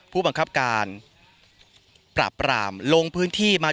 ผู้บังคับการปราบปรามลงพื้นที่มา